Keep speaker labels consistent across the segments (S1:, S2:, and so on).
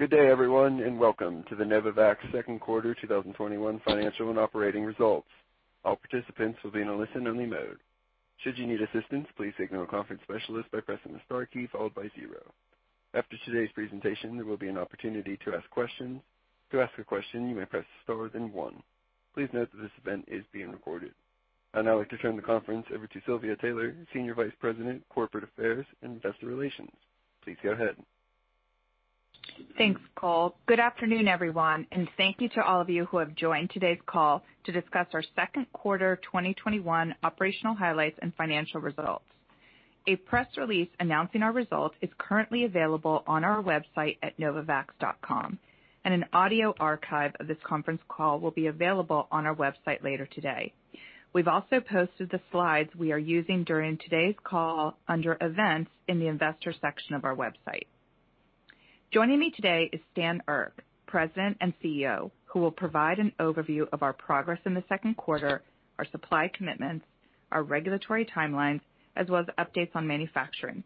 S1: Good day, everyone, and welcome to the Novavax second quarter 2021 financial and operating results. Our participants will be in a listen and mute mode. Should you need assistance, please signal conference specialist by pressing a star key followed by zero. After this presentation there will be an opportunity to ask question. To ask a question you may press star and then one. Please note this event is being recorded. I'd now like to turn the conference over to Silvia Taylor, Senior Vice President, Corporate Affairs and Investor Relations. Please go ahead.
S2: Thanks, Cole. Good afternoon, everyone, and thank you to all of you who have joined today's call to discuss our second quarter 2021 operational highlights and financial results. A press release announcing our results is currently available on our website at novavax.com, and an audio archive of this conference call will be available on our website later today. We've also posted the slides we are using during today's call under Events in the Investor section of our website. Joining me today is Stan Erck, President and CEO, who will provide an overview of our progress in the second quarter, our supply commitments, our regulatory timelines, as well as updates on manufacturing.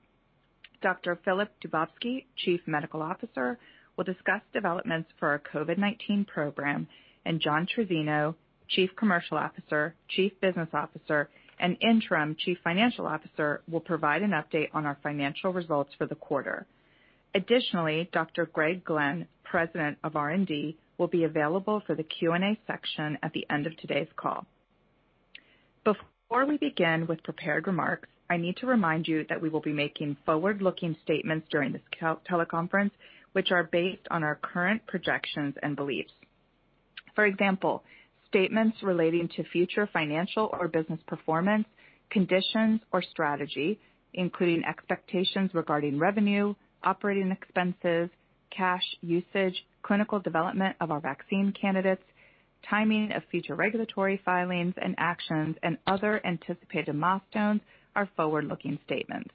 S2: Dr. Filip Dubovsky, Chief Medical Officer, will discuss developments for our COVID-19 program, and John Trizzino, Chief Commercial Officer, Chief Business Officer, and Interim Chief Financial Officer, will provide an update on our financial results for the quarter. Additionally, Dr. Greg Glenn, President of R&D, will be available for the Q&A section at the end of today's call. Before we begin with prepared remarks, I need to remind you that we will be making forward-looking statements during this teleconference, which are based on our current projections and beliefs. For example, statements relating to future financial or business performance, conditions or strategy, including expectations regarding revenue, operating expenses, cash usage, clinical development of our vaccine candidates, timing of future regulatory filings and actions, and other anticipated milestones are forward-looking statements.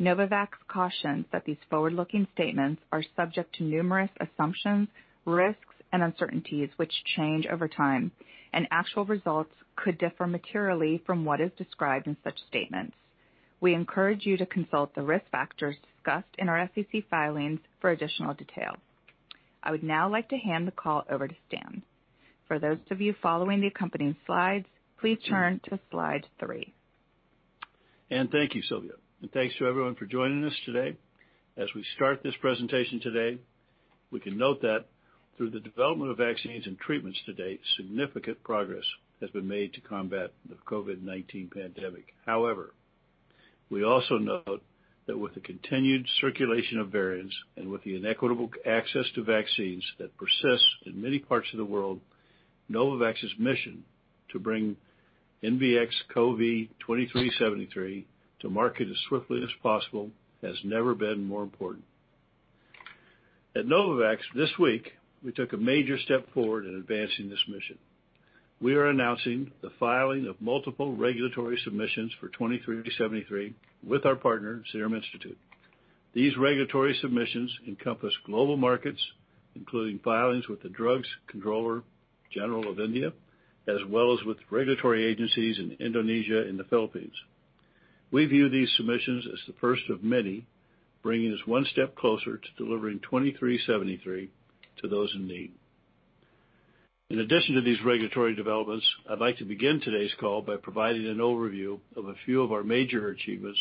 S2: Novavax cautions that these forward-looking statements are subject to numerous assumptions, risks, and uncertainties which change over time, and actual results could differ materially from what is described in such statements. We encourage you to consult the risk factors discussed in our SEC filings for additional details. I would now like to hand the call over to Stan. For those of you following the accompanying slides, please turn to slide 3.
S3: Thank you, Silvia. And thanks to everyone for joining us today. As we start this presentation today, we can note that through the development of vaccines and treatments to date, significant progress has been made to combat the COVID-19 pandemic. However, we also note that with the continued circulation of variants and with the inequitable access to vaccines that persists in many parts of the world, Novavax's mission to bring NVX-CoV2373 to market as swiftly as possible has never been more important. At Novavax this week, we took a major step forward in advancing this mission. We are announcing the filing of multiple regulatory submissions for 2373 with our partner, Serum Institute. These regulatory submissions encompass global markets, including filings with the Drugs Controller General of India, as well as with regulatory agencies in Indonesia and the Philippines. We view these submissions as the first step of many, bringing us one step closer to delivering 2373 to those in need. In addition to these regulatory developments, I'd like to begin today's call by providing an overview of a few of our major achievements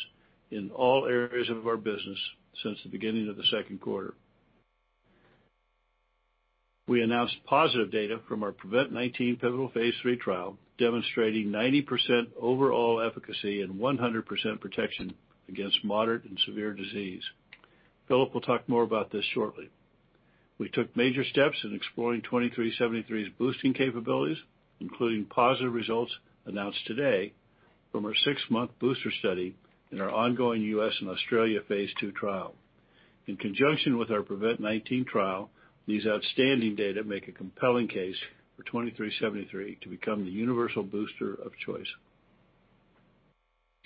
S3: in all areas of our business since the beginning of the second quarter. We announced positive data from our PREVENT-19 pivotal phase III trial, demonstrating 90% overall efficacy and 100% protection against moderate and severe disease. Filip will talk more about this shortly. We took major steps in exploring 2373's boosting capabilities, including positive results announced today from our six-month booster study in our ongoing U.S. and Australia phase II trial. In conjunction with our PREVENT-19 trial, these outstanding data make a compelling case for 2373 to become the universal booster of choice.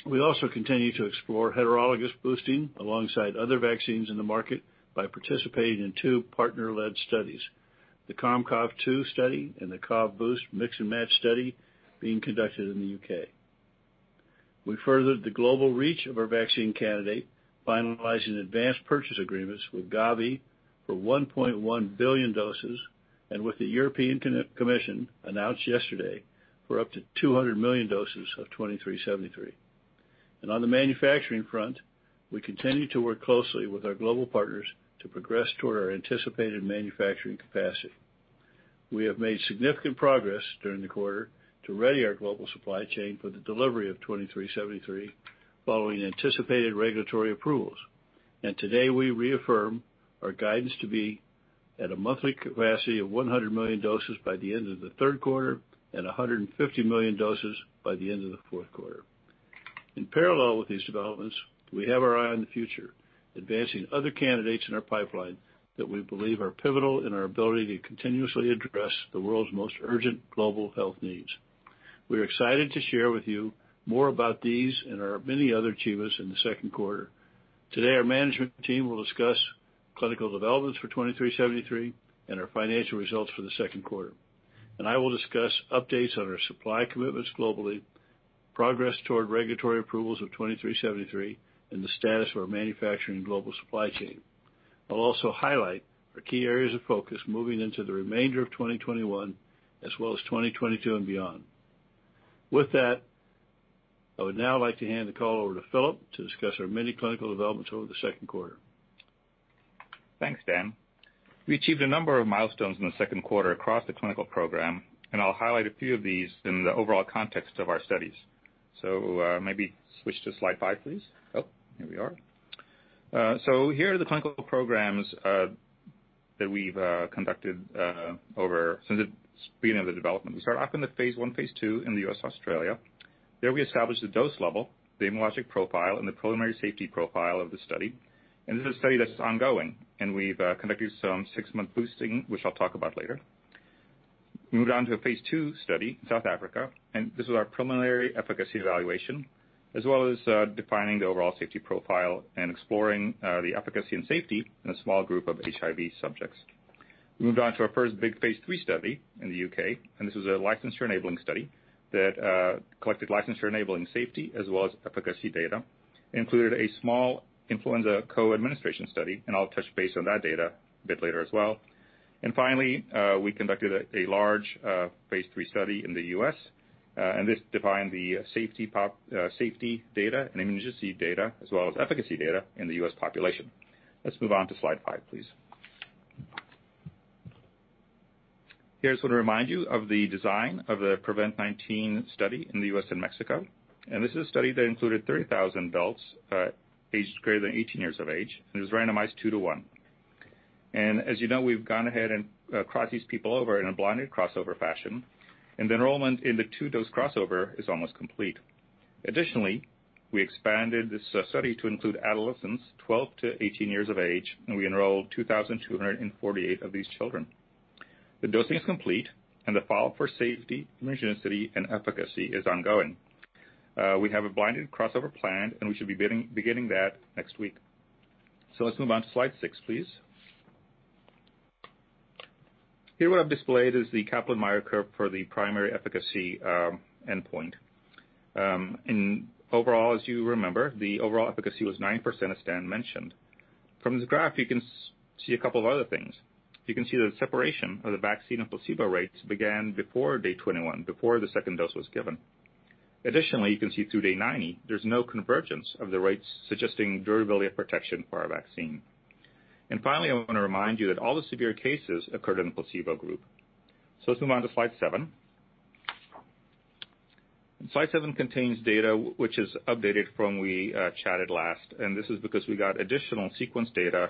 S3: We also continue to explore heterologous boosting alongside other vaccines in the market by participating in two partner-led studies, the Com-COV2 study and the COV-BOOST Mix and Match study being conducted in the U.K. We furthered the global reach of our vaccine candidate, finalizing advanced purchase agreements with Gavi for 1.1 billion doses and with the European Commission announced yesterday for up to 200 million doses of 2373. On the manufacturing front, we continue to work closely with our global partners to progress toward our anticipated manufacturing capacity. We have made significant progress during the quarter to ready our global supply chain for the delivery of 2373 following anticipated regulatory approvals. Today, we reaffirm our guidance to be at a monthly capacity of 100 million doses by the end of the third quarter and 150 million doses by the end of the fourth quarter. In parallel with these developments, we have our eye on the future, advancing other candidates in our pipeline that we believe are pivotal in our ability to continuously address the world's most urgent global health needs. We're excited to share with you more about these and our many other achievements in the second quarter. Today, our management team will discuss clinical developments for 2373 and our financial results for the second quarter. I will discuss updates on our supply commitments globally. Progress toward regulatory approvals of 2373 and the status of our manufacturing global supply chain. I'll also highlight our key areas of focus moving into the remainder of 2021, as well as 2022 and beyond. With that, I would now like to hand the call over to Filip to discuss our many clinical developments over the second quarter.
S4: Thanks, Stan. We achieved a number of milestones in the second quarter across the clinical program. I'll highlight a few of these in the overall context of our studies. Maybe switch to slide five, please. Here we are. Here are the clinical programs that we've conducted since the beginning of the development. We start off in the phase I, phase II in the U.S., Australia. There we established the dose level, the immunologic profile, and the preliminary safety profile of the study. This is a study that's ongoing. We've conducted some six-month boosting, which I'll talk about later. Moved on to a phase II study, South Africa. This is our preliminary efficacy evaluation, as well as defining the overall safety profile and exploring the efficacy and safety in a small group of HIV subjects. We moved on to our first big phase III study in the U.K. This is a licensure-enabling study that collected licensure-enabling safety as well as efficacy data. Included a small influenza co-administration study. I'll touch base on that data a bit later as well. Finally, we conducted a large phase III study in the U.S. This defined the safety data and immunogenicity data, as well as efficacy data in the U.S. population. Let's move on to slide five, please. Here I want to remind you of the design of the PREVENT-19 study in the U.S. and Mexico. This is a study that included 30,000 adults aged greater than 18 years of age, and it was randomized two-to-one. As you know, we've gone ahead and crossed these people over in a blinded crossover fashion, and the enrollment in the two-dose crossover is almost complete. Additionally, we expanded this study to include adolescents 12-18 years of age, and we enrolled 2,248 of these children. The dosing is complete, and the follow-up for safety, immunogenicity, and efficacy is ongoing. We have a blinded crossover planned, and we should be beginning that next week. Let's move on to slide six, please. Here what I've displayed is the Kaplan-Meier curve for the primary efficacy endpoint. Overall, as you remember, the overall efficacy was 90%, as Stan mentioned. From this graph, you can see a couple of other things. You can see the separation of the vaccine and placebo rates began before day 21, before the second dose was given. Additionally, you can see through day 90, there's no convergence of the rates, suggesting durability of protection for our vaccine. Finally, I want to remind you that all the severe cases occurred in the placebo group. Let's move on to slide seven. Slide seven contains data which is updated from we chatted last, and this is because we got additional sequence data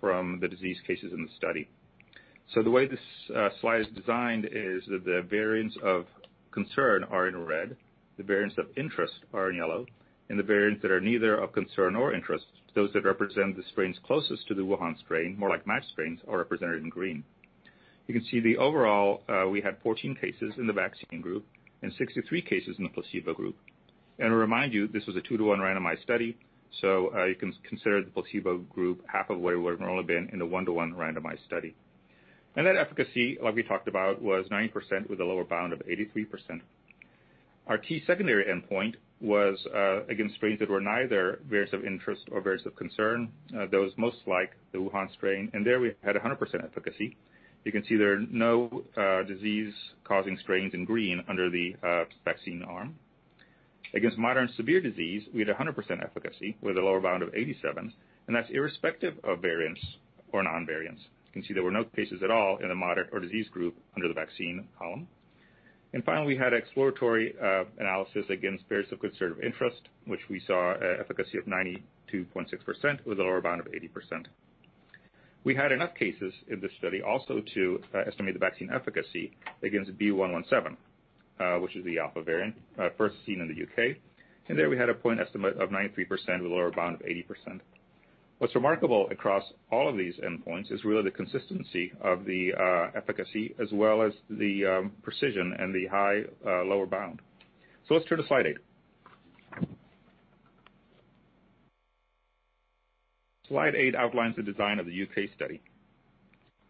S4: from the disease cases in the study. The way this slide is designed is that the variants of concern are in red, the variants of interest are in yellow, and the variants that are neither of concern nor interest, those that represent the strains closest to the Wuhan strain, more like match strains, are represented in green. You can see the overall, we had 14 cases in the vaccine group and 63 cases in the placebo group. To remind you, this was a two-to-one randomized study, so you can consider the placebo group half of what it would've normally been in the one-to-one randomized study. That efficacy, like we talked about, was 90% with a lower bound of 83%. Our key secondary endpoint was against strains that were neither variants of interest or variants of concern, those most like the Wuhan strain, there we had 100% efficacy. You can see there are no disease-causing strains in green under the vaccine arm. Against moderate and severe disease, we had 100% efficacy with a lower bound of 87%, that's irrespective of variants or non-variants. You can see there were no cases at all in the moderate or disease group under the vaccine column. Finally, we had exploratory analysis against variants of concern of interest, which we saw efficacy of 92.6% with a lower bound of 80%. We had enough cases in this study also to estimate the vaccine efficacy against B.1.1.7, which is the Alpha variant first seen in the U.K. There we had a point estimate of 93% with a lower bound of 80%. What's remarkable across all of these endpoints is really the consistency of the efficacy as well as the precision and the high lower bound. Let's turn to slide eight. Slide eight outlines the design of the U.K. study.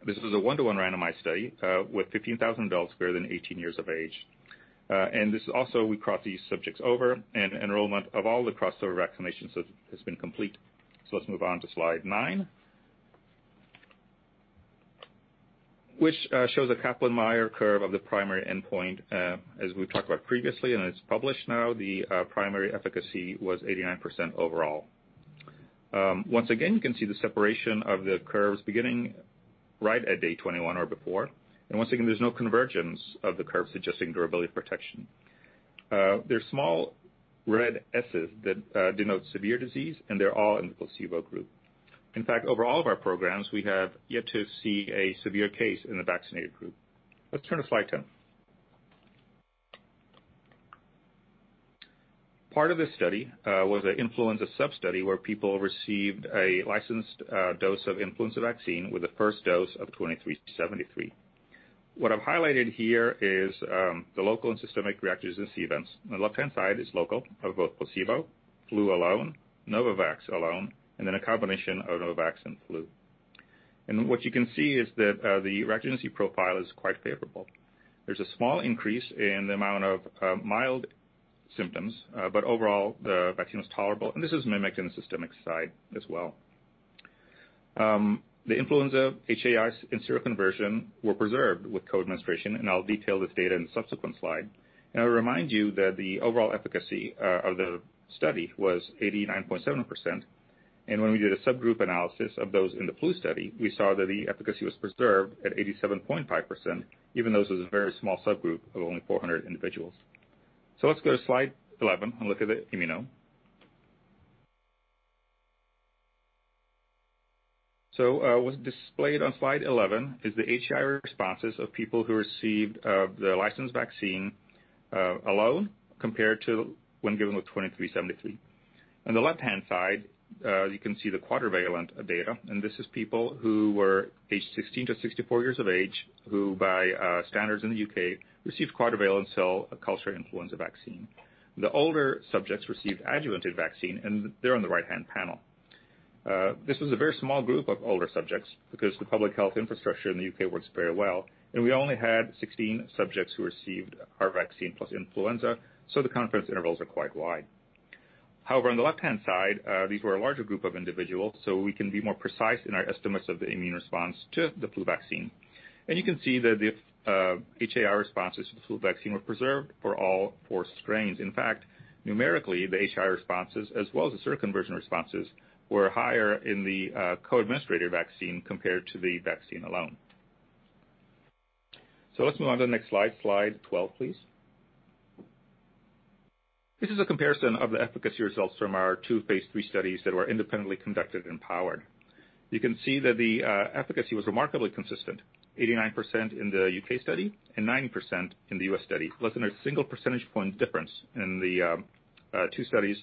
S4: This was a one-to-one randomized study with 15,000 adults greater than 18 years of age. This also, we crossed these subjects over and enrollment of all the crossover vaccinations has been complete. Let's move on to slide nine, which shows a Kaplan-Meier curve of the primary endpoint. As we've talked about previously, and it's published now, the primary efficacy was 89% overall. Once again, you can see the separation of the curves beginning right at day 21 or before. Once again, there's no convergence of the curve suggesting durability of protection. There's small red Ss that denote severe disease, and they're all in the placebo group. In fact, over all of our programs, we have yet to see a severe case in the vaccinated group. Let's turn to slide 10. Part of this study was an influenza sub-study where people received a licensed dose of influenza vaccine with the first dose of 2373. What I've highlighted here is the local and systemic reactogenicity events. On the left-hand side is local of both placebo, flu alone, Novavax alone, and then a combination of Novavax and flu. What you can see is that the reactogenicity profile is quite favorable. There's a small increase in the amount of mild symptoms, but overall, the vaccine is tolerable, and this is mimicked in the systemic side as well. The influenza HAIs and seroconversion were preserved with co-administration, and I'll detail this data in a subsequent slide. I'll remind you that the overall efficacy of the study was 89.7%, and when we did a subgroup analysis of those in the flu study, we saw that the efficacy was preserved at 87.5%, even though this was a very small subgroup of only 400 individuals. Let's go to slide 11 and look at the immuno. What's displayed on slide 11 is the HAI responses of people who received the licensed vaccine alone compared to when given with 2373. On the left-hand side, you can see the quadrivalent data, and this is people who were aged 16-64 years of age, who, by standards in the U.K., received quadrivalent cell culture influenza vaccine. The older subjects received adjuvanted vaccine, and they're on the right-hand panel. This was a very small group of older subjects because the public health infrastructure in the U.K. works very well, and we only had 16 subjects who received our vaccine plus influenza, so the confidence intervals are quite wide. However, on the left-hand side, these were a larger group of individuals, so we can be more precise in our estimates of the immune response to the flu vaccine. You can see that the HAI responses to the flu vaccine were preserved for all four strains. In fact, numerically, the HAI responses, as well as the seroconversion responses, were higher in the co-administrated vaccine compared to the vaccine alone. Let's move on to the next slide. Slide 12, please. This is a comparison of the efficacy results from our two phase III studies that were independently conducted and powered. You can see that the efficacy was remarkably consistent, 89% in the U.K. study and 90% in the U.S. study, less than a 1 percentage point difference in the two studies,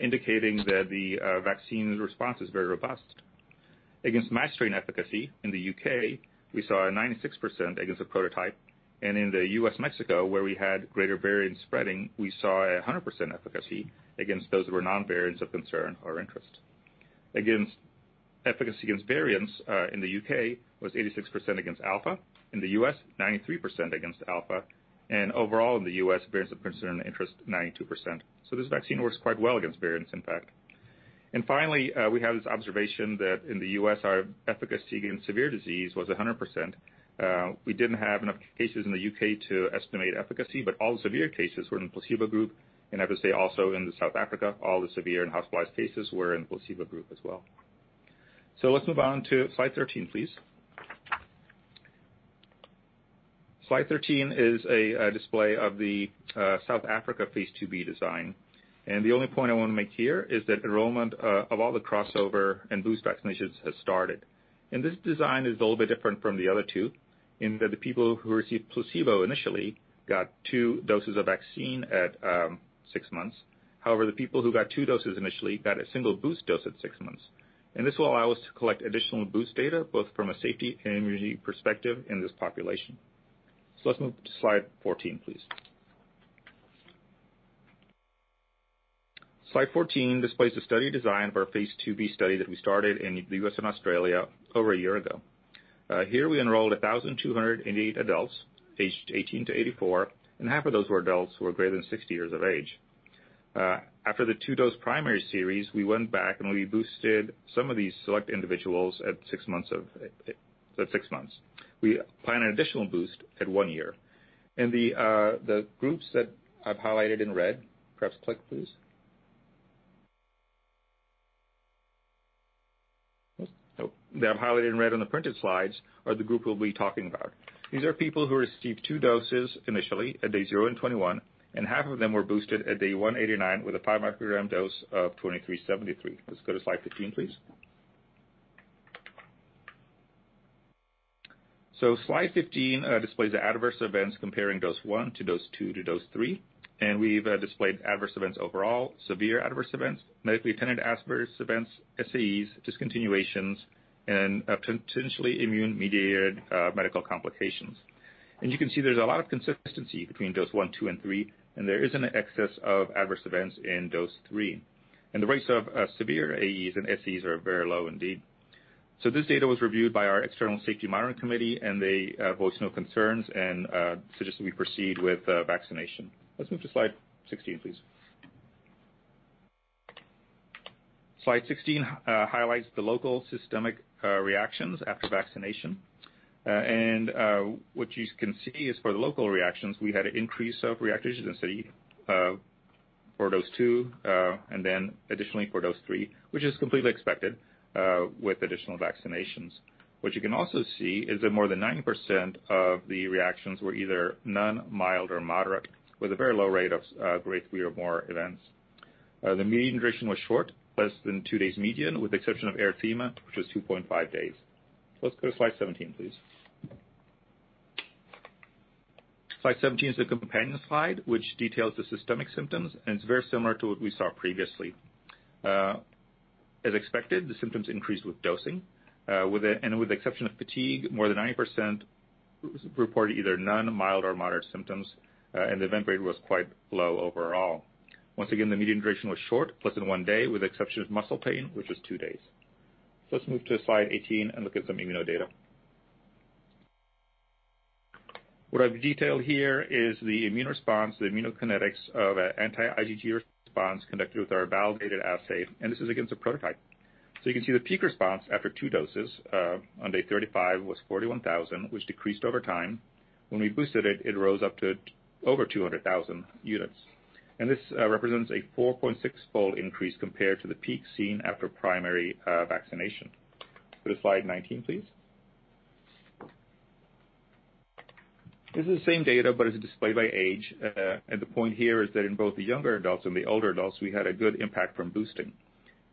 S4: indicating that the vaccine response is very robust. Against match strain efficacy in the U.K., we saw a 96% against the prototype, and in the U.S./Mexico, where we had greater variant spreading, we saw 100% efficacy against those that were non-variants of concern or interest. Efficacy against variants in the U.K. was 86% against Alpha, in the U.S., 93% against Alpha, and overall in the U.S., variants of concern and interest, 92%. This vaccine works quite well against variants, in fact. Finally, we have this observation that in the U.S., our efficacy against severe disease was 100%. We didn't have enough cases in the U.K. to estimate efficacy, but all severe cases were in the placebo group. I have to say also in South Africa, all the severe and hospitalized cases were in the placebo group as well. Let's move on to slide 13, please. Slide 13 is a display of the South Africa Phase II-B design, and the only point I want to make here is that enrollment of all the crossover and boost vaccinations has started. This design is a little bit different from the other two in that the people who received placebo initially got two doses of vaccine at six months. However, the people who got two doses initially got a single boost dose at six months. This will allow us to collect additional boost data, both from a safety and immunity perspective in this population. Let's move to slide 14, please. Slide 14 displays the study design for our phase II-B study that we started in the U.S. and Australia over a year ago. Here we enrolled 1,288 adults aged 18-84, and half of those were adults who were greater than 60 years of age. After the two-dose primary series, we went back, and we boosted some of these select individuals at six months. We plan an additional boost at one year. The groups that I've highlighted in red. Perhaps click, please. That I've highlighted in red on the printed slides are the group we'll be talking about. These are people who received two doses initially at day zero and 21, and half of them were boosted at day 189 with a 5 mcg dose of 2373. Let's go to slide 15, please. Slide 15 displays the adverse events comparing dose one to dose two to dose three. We've displayed adverse events overall, severe adverse events, medically attended adverse events, SAEs, discontinuations, and potentially immune-mediated medical complications. You can see there's a lot of consistency between dose one, two, and three. There is an excess of adverse events in dose three. The rates of severe AEs and SAEs are very low indeed. This data was reviewed by our external safety monitoring committee, and they voiced no concerns and suggested we proceed with vaccination. Let's move to slide 16, please. Slide 16 highlights the local systemic reactions after vaccination. What you can see is for the local reactions, we had an increase of reactogenicity for dose two, and additionally for dose three, which is completely expected with additional vaccinations. What you can also see is that more than 90% of the reactions were either none, mild, or moderate, with a very low rate of grade III or more events. The mean duration was short, less than two days median, with the exception of erythema, which was 2.5 days. Let's go to slide 17, please. Slide 17 is a companion slide which details the systemic symptoms, and it's very similar to what we saw previously. As expected, the symptoms increased with dosing. With the exception of fatigue, more than 90% reported either none, mild, or moderate symptoms. The event rate was quite low overall. Once again, the median duration was short, less than one day, with the exception of muscle pain, which was two days. Let's move to slide 18 and look at some immunodata. What I've detailed here is the immune response, the immunokinetics of anti-IgG response conducted with our validated assay. This is against a prototype. You can see the peak response after two doses on day 35 was 41,000, which decreased over time. When we boosted it rose up to over 200,000 units. This represents a 4.6-fold increase compared to the peak seen after primary vaccination. Go to slide 19, please. This is the same data but is displayed by age. The point here is that in both the younger adults and the older adults, we had a good impact from boosting.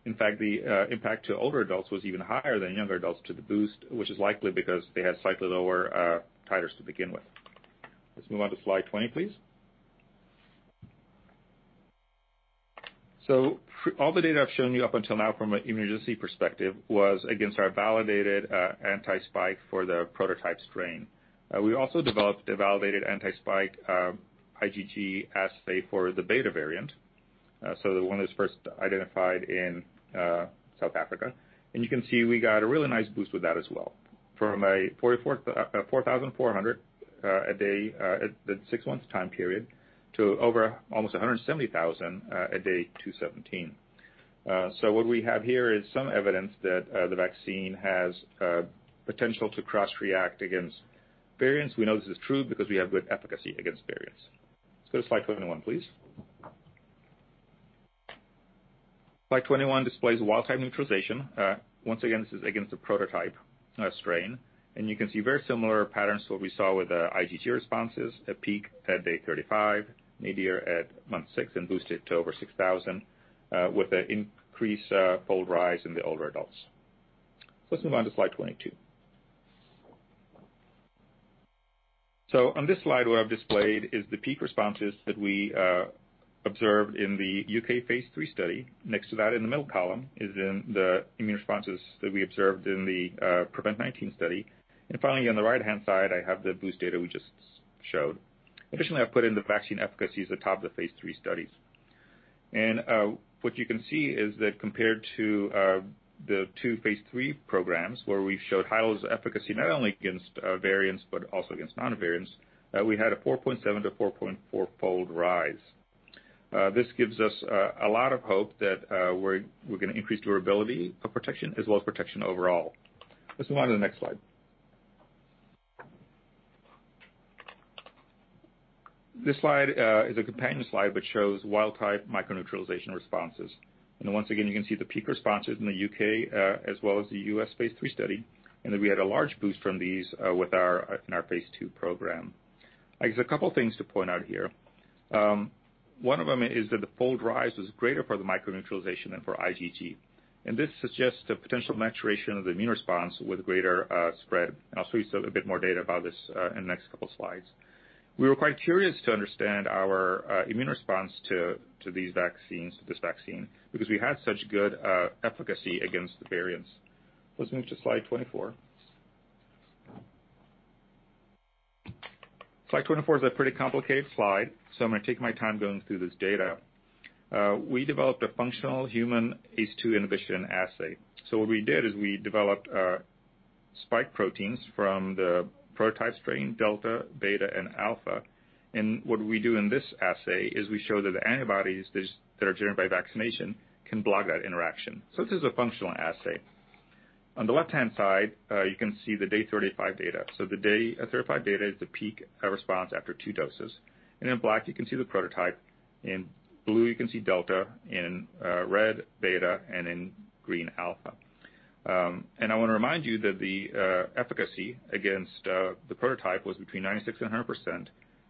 S4: In fact, the impact to older adults was even higher than younger adults to the boost, which is likely because they had slightly lower titers to begin with. Let's move on to slide 20, please. All the data I've shown you up until now from an immunogenicity perspective was against our validated anti-spike for the prototype strain. We also developed a validated anti-spike IgG assay for the Beta variant, so the one that was first identified in South Africa. You can see we got a really nice boost with that as well, from a 4,400 a day at the six months time period to over almost 170,000 at day 217. What we have here is some evidence that the vaccine has potential to cross-react against variants. We know this is true because we have good efficacy against variants. Let's go to slide 21, please. Slide 21 displays wild type neutralization. Once again, this is against a prototype strain. You can see very similar patterns to what we saw with the IgG responses, a peak at day 35, nadir at month six, and boosted to over 6,000 with an increased fold rise in the older adults. Let's move on to slide 22. On this slide what I've displayed is the peak responses that we observed in the U.K. Phase III study. Next to that in the middle column is the immune responses that we observed in the PREVENT-19 study. Finally, on the right-hand side, I have the boost data we just showed. Additionally, I've put in the vaccine efficacy at the top of the phase III studies. What you can see is that compared to the two phase III programs where we showed high levels of efficacy, not only against variants but also against non-variants, we had a 4.7-4.4-fold rise. This gives us a lot of hope that we're going to increase durability of protection as well as protection overall. Let's move on to the next slide. This slide is a companion slide which shows wild type microneutralization responses. Once again, you can see the peak responses in the U.K. as well as the U.S. phase III study, and that we had a large boost from these in our phase II program. I guess a couple things to point out here. One of them is that the fold rise is greater for the microneutralization than for IgG. This suggests a potential maturation of the immune response with greater spread, and I'll show you a bit more data about this in the next couple slides. We were quite curious to understand our immune response to this vaccine because we had such good efficacy against the variants. Let's move to slide 24. Slide 24 is a pretty complicated slide, so I'm going to take my time going through this data. We developed a functional human ACE2 inhibition assay. What we did is we developed spike proteins from the prototype strain Delta, Beta, and Alpha. What we do in this assay is we show that the antibodies that are generated by vaccination can block that interaction. This is a functional assay. On the left-hand side, you can see the day 35 data. The day 35 data is the peak response after two doses. In black, you can see the prototype, in blue you can see Delta, in red Beta, and in green Alpha. I want to remind you that the efficacy against the prototype was between 96%-100%,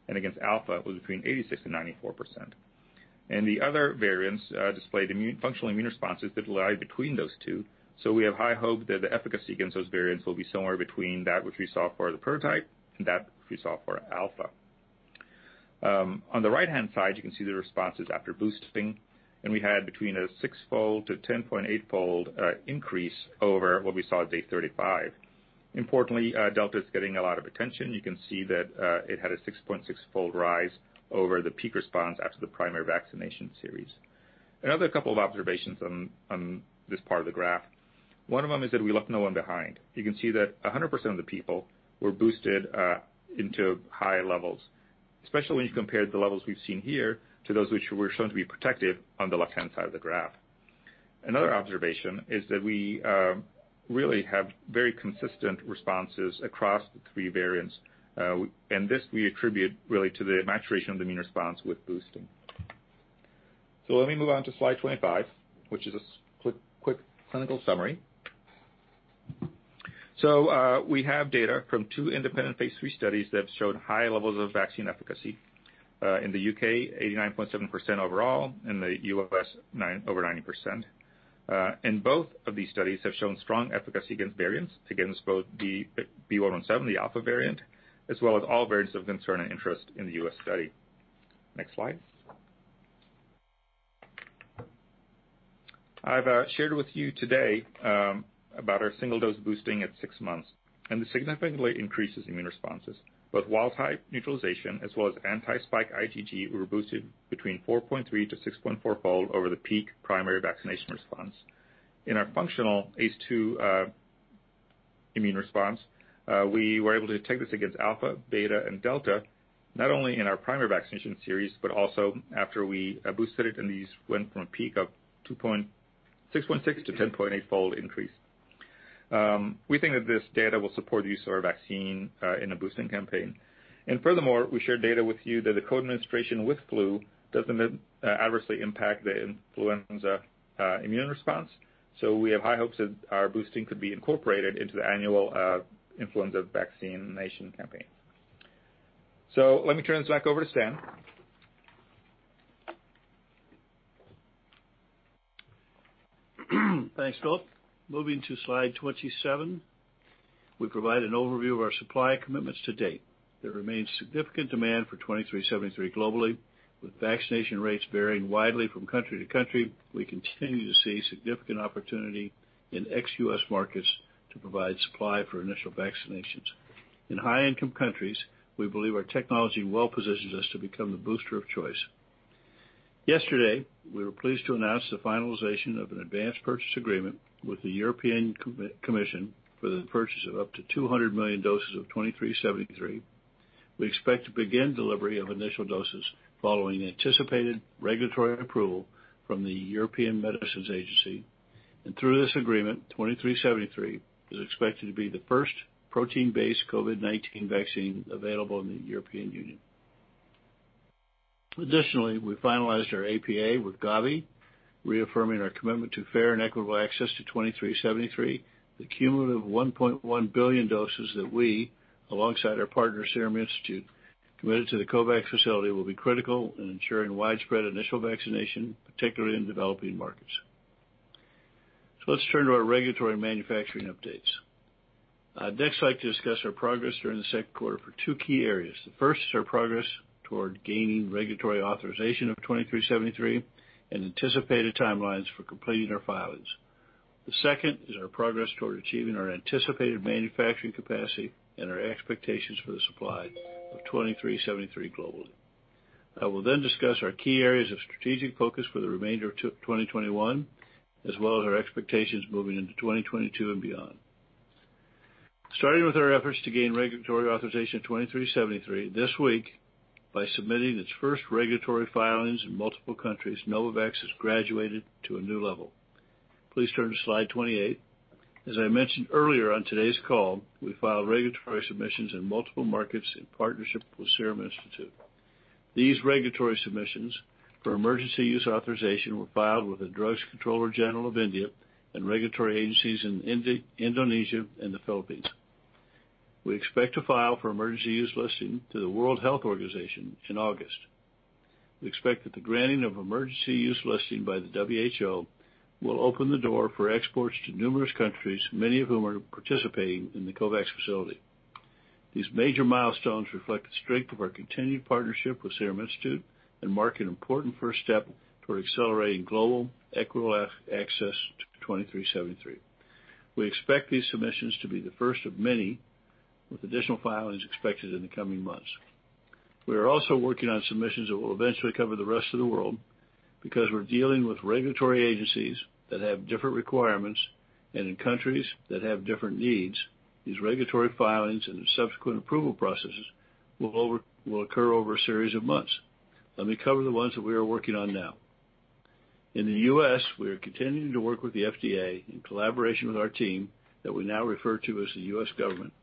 S4: and against Alpha was between 86%-94%. The other variants display functional immune responses that lie between those two, so we have high hope that the efficacy against those variants will be somewhere between that which we saw for the prototype and that which we saw for Alpha. On the right-hand side, you can see the responses after boosting, and we had between a six-fold to 10.8-fold increase over what we saw at day 35. Importantly, Delta is getting a lot of attention. You can see that it had a 6.6-fold rise over the peak response after the primary vaccination series. Another couple of observations on this part of the graph. One of them is that we left no one behind. You can see that 100% of the people were boosted into high levels, especially when you compare the levels we've seen here to those which were shown to be protective on the left-hand side of the graph. Another observation is that we really have very consistent responses across the three variants. This we attribute really to the maturation of the immune response with boosting. Let me move on to slide 25, which is a quick clinical summary. We have data from two independent phase III studies that have shown high levels of vaccine efficacy. In the U.K., 89.7% overall, in the U.S., over 90%. Both of these studies have shown strong efficacy against variants, against both the B.1.1.7, the Alpha variant, as well as all variants of concern and interest in the U.S. study. Next slide. I've shared with you today about our single-dose boosting at six months. This significantly increases immune responses. Both wild type neutralization as well as anti-spike IgG were boosted between 4.3-6.4-fold over the peak primary vaccination response. In our functional ACE2 immune response, we were able to take this against Alpha, Beta, and Delta, not only in our primary vaccination series, but also after we boosted it. These went from a peak of 6.6-10.8-fold increase. We think that this data will support the use of our vaccine in a boosting campaign. Furthermore, we shared data with you that the co-administration with flu doesn't adversely impact the influenza immune response. We have high hopes that our boosting could be incorporated into the annual influenza vaccination campaign. Let me turn this back over to Stan.
S3: Thanks, Filip. Moving to slide 27, we provide an overview of our supply commitments to date. There remains significant demand for 2373 globally. With vaccination rates varying widely from country to country, we continue to see significant opportunity in ex-US markets to provide supply for initial vaccinations. In high-income countries, we believe our technology well positions us to become the booster of choice. Yesterday, we were pleased to announce the finalization of an advanced purchase agreement with the European Commission for the purchase of up to 200 million doses of 2373. We expect to begin delivery of initial doses following anticipated regulatory approval from the European Medicines Agency. Through this agreement, 2373 is expected to be the first protein-based COVID-19 vaccine available in the European Union. Additionally, we finalized our APA with Gavi, reaffirming our commitment to fair and equitable access to 2373. The cumulative 1.1 billion doses that we, alongside our partner Serum Institute, committed to the COVAX facility will be critical in ensuring widespread initial vaccination, particularly in developing markets. Let's turn to our regulatory and manufacturing updates. I'd next like to discuss our progress during the second quarter for two key areas. The first is our progress toward gaining regulatory authorization of 2373 and anticipated timelines for completing our filings. The second is our progress toward achieving our anticipated manufacturing capacity and our expectations for the supply of 2373 globally. I will discuss our key areas of strategic focus for the remainder of 2021, as well as our expectations moving into 2022 and beyond. Starting with our efforts to gain regulatory authorization of 2373 this week by submitting its first regulatory filings in multiple countries, Novavax has graduated to a new level. Please turn to slide 28. As I mentioned earlier on today's call, we filed regulatory submissions in multiple markets in partnership with Serum Institute. These regulatory submissions for Emergency Use Authorization were filed with the Drugs Controller General of India and regulatory agencies in Indonesia and the Philippines. We expect to file for Emergency Use Listing to the World Health Organization in August. We expect that the granting of Emergency Use Listing by the WHO will open the door for exports to numerous countries, many of whom are participating in the COVAX facility. These major milestones reflect the strength of our continued partnership with Serum Institute and mark an important first step toward accelerating global equitable access to 2373. We expect these submissions to be the first of many, with additional filings expected in the coming months. We are also working on submissions that will eventually cover the rest of the world. Because we're dealing with regulatory agencies that have different requirements and in countries that have different needs, these regulatory filings and their subsequent approval processes will occur over a series of months. Let me cover the ones that we are working on now. In the U.S., we are continuing to work with the FDA in collaboration with our team, that we now refer to as the U.S. government,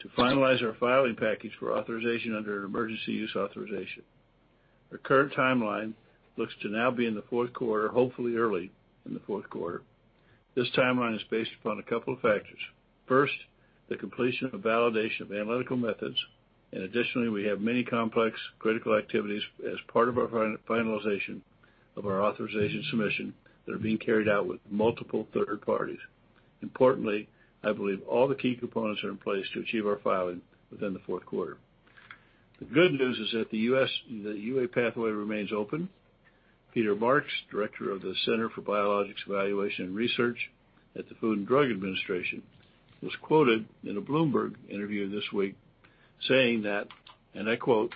S3: to finalize our filing package for authorization under an Emergency Use Authorization. The current timeline looks to now be in the fourth quarter, hopefully early in the fourth quarter. This timeline is based upon a couple of factors. First, the completion of a validation of analytical methods, and additionally, we have many complex critical activities as part of our finalization of our authorization submission that are being carried out with multiple third parties. Importantly, I believe all the key components are in place to achieve our filing within the fourth quarter. The good news is that the EUA pathway remains open. Peter Marks, Director of the Center for Biologics Evaluation and Research at the Food and Drug Administration, was quoted in a Bloomberg interview this week saying that, and I quote,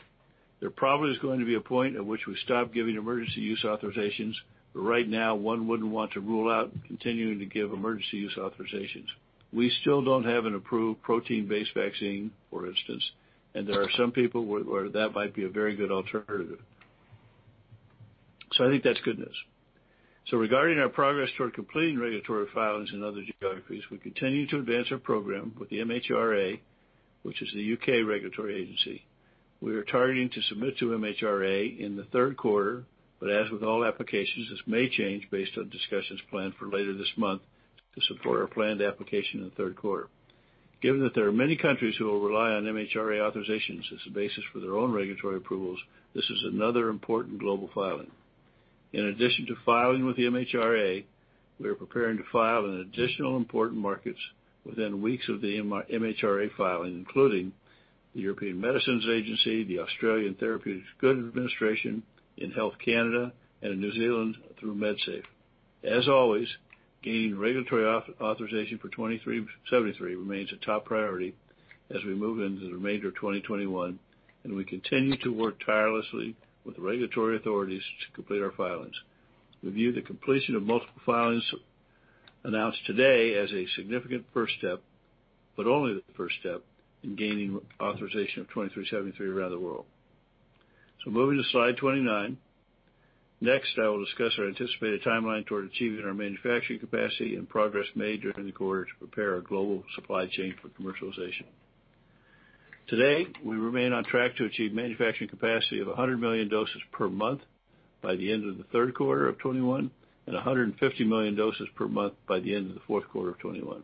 S3: "There probably is going to be a point at which we stop giving emergency use authorizations. Right now, one wouldn't want to rule out continuing to give emergency use authorizations. We still don't have an approved protein-based vaccine, for instance, and there are some people where that might be a very good alternative." I think that's good news. Regarding our progress toward completing regulatory filings in other geographies, we continue to advance our program with the MHRA, which is the U.K. regulatory agency. We are targeting to submit to MHRA in the third quarter, but as with all applications, this may change based on discussions planned for later this month to support our planned application in the third quarter. Given that there are many countries who will rely on MHRA authorizations as the basis for their own regulatory approvals, this is another important global filing. In addition to filing with the MHRA, we are preparing to file in additional important markets within weeks of the MHRA filing, including the European Medicines Agency, the Australian Therapeutic Goods Administration, in Health Canada, and in New Zealand through Medsafe. As always, gaining regulatory authorization for 2373 remains a top priority as we move into the remainder of 2021, and we continue to work tirelessly with regulatory authorities to complete our filings. We view the completion of multiple filings announced today as a significant first step, but only the first step in gaining authorization of 2373 around the world. Moving to slide 29. Next, I will discuss our anticipated timeline toward achieving our manufacturing capacity and progress made during the quarter to prepare our global supply chain for commercialization. Today, we remain on track to achieve manufacturing capacity of 100 million doses per month by the end of the third quarter of 2021 and 150 million doses per month by the end of the fourth quarter of 2021.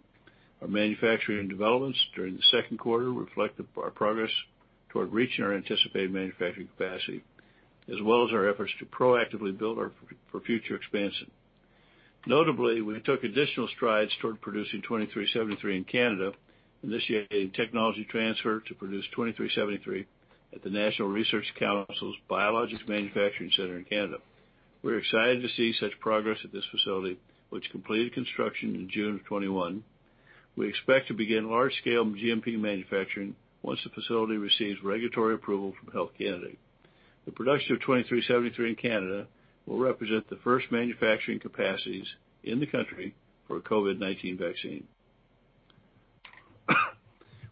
S3: Our manufacturing developments during the second quarter reflect our progress toward reaching our anticipated manufacturing capacity, as well as our efforts to proactively build for future expansion. Notably, we took additional strides toward producing 2373 in Canada, initiating technology transfer to produce 2373 at the National Research Council's Biologics Manufacturing Centre in Canada. We're excited to see such progress at this facility, which completed construction in June of 2021. We expect to begin large-scale GMP manufacturing once the facility receives regulatory approval from Health Canada. The production of 2373 in Canada will represent the first manufacturing capacities in the country for a COVID-19 vaccine.